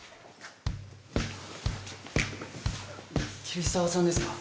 桐沢さんですか？